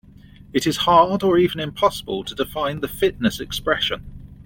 It is hard or even impossible to define the fitness expression.